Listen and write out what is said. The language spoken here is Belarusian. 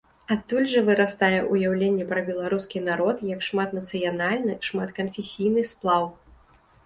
Адтуль жа вырастае ўяўленне пра беларускі народ як шматнацыянальны, шматканфесійны сплаў.